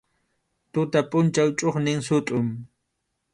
Tuta pʼunchaw chʼuqñin sutʼun.